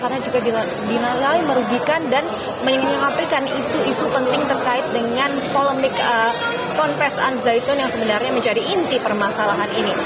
karena juga dinaklain merugikan dan menyengapikan isu isu penting terkait dengan polemik konfesan zaitun yang sebenarnya menjadi inti permasalahan ini